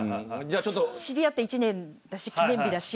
知り合って１年だし記念日だし。